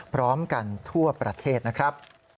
พร้อมกันทั่วประเทศนะครับ